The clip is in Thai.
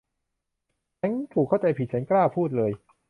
ฉันถูกเข้าใจผิด ฉันกล้าพูดเลย